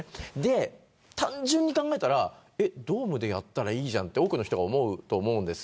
単純に考えたらドームでやればいいじゃんと多くの方が思うと思うんです。